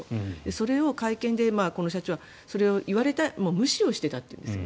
それを会見でこの社長はそれを言われて無視をしていたというんです。